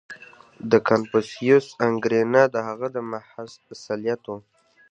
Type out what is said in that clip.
• د کنفوسیوس انګېرنه د هغه د محض اصالت وه.